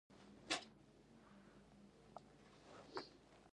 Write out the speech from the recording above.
د دې موضوع په اړه د استازو چلند څه و؟